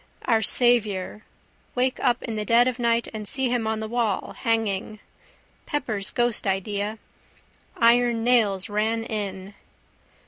Our Saviour. Wake up in the dead of night and see him on the wall, hanging. Pepper's ghost idea. Iron Nails Ran In.